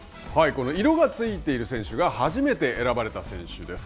この色が付いている選手が初めて選ばれた選手です。